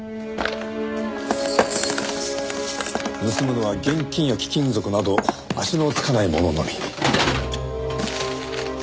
盗むのは現金や貴金属など足のつかないもののみ。